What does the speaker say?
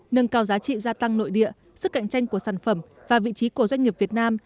nâng cao giá trị gia tăng nội địa sức cạnh tranh của sản phẩm và vị trí của doanh nghiệp việt nam